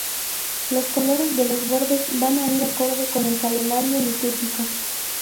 Los colores de los bordes van a ir acorde con el calendario litúrgico.